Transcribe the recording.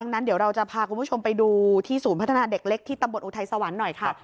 ดังนั้นเดี๋ยวเราจะพาคุณผู้ชมไปดูที่ศูนย์พัฒนาเด็กเล็กที่ตำบลอุทัยสวรรค์หน่อยค่ะ